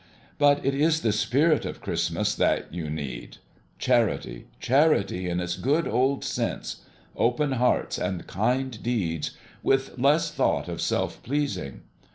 But it is the spirit of Christmas that you need. Charity, charity in its good old sense: open hearts and kind deeds, with less thought of self pleasing.